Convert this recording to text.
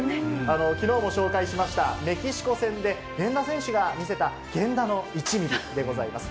きのうも紹介しましたメキシコ戦で、源田選手が見せた源田の１ミリでございます。